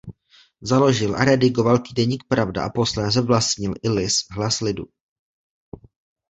Založil a redigoval týdeník Pravda a posléze vlastnil i list Hlas lidu.